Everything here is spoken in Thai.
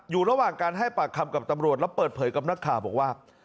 อยู่ระหว่างการให้ปากคำกับตำรวจแล้วเปิดเผยกับนักข่าวบอกว่า